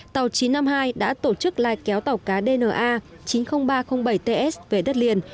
tàu chín trăm năm mươi hai đã tổ chức lai kéo tàu cá dna chín mươi nghìn ba trăm linh bảy ts về đất liền